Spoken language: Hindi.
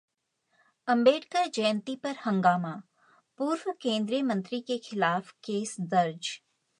अंबेडकर जयंती पर हंगामा, पूर्व केंद्रीय मंत्री के खिलाफ केस दर्ज